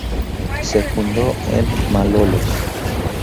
Se fundó en Malolos.